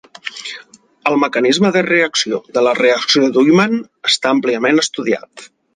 El mecanisme de reacció de la reacció d'Ullmann està àmpliament estudiat.